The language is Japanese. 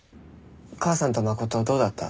母さんと真はどうだった？